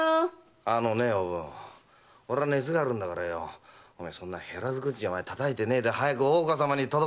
あのねおぶん俺は熱があるんだからそんな減らず口たたいてないで早く大岡様に届け物してくれよ！